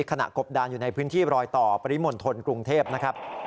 กบดานอยู่ในพื้นที่รอยต่อปริมณฑลกรุงเทพนะครับ